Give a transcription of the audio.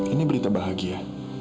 ini berita bahagia